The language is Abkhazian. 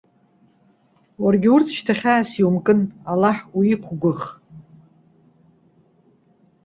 Уаргьы урҭ шьҭа хьаас иумкын, Аллаҳ уиқәгәыӷ.